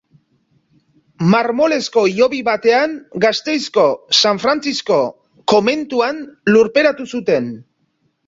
Marmolezko hilobi batean Gasteizko San Frantzisko komentuan lurperatu zuten.